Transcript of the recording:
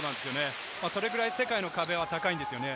それぐらい世界の壁は高いんですよね。